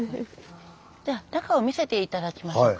じゃあ中を見せて頂きましょうか。